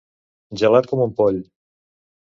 Gelat com un poll.